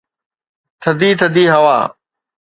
ٿڌي ٿڌي هوا